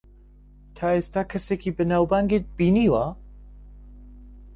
تا ئێستا کەسێکی بەناوبانگت بینیوە؟